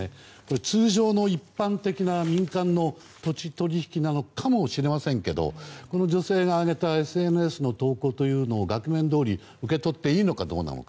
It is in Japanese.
通常の一般的な民間の土地取引なのかもしれませんけどこの女性が上げたＳＮＳの投稿というのを額面どおり受け取っていいのかどうか。